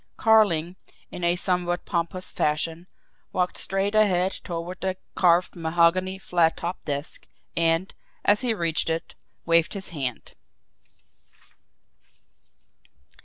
Carling, in a somewhat pompous fashion, walked straight ahead toward the carved mahogany flat topped desk, and, as he reached it, waved his hand.